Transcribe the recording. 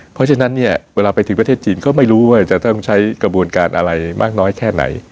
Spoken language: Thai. เพราะฉะนั้นเนี่ยเวลาไปถึงประเทศจีนก็ไม่รู้ว่าจะต้องใช้กระบวนการอะไรมากน้อยแค่ไหน